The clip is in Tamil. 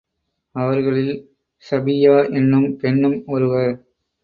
அவர்களில் ஸபிய்யா என்னும் பெண்ணும் ஒருவர்.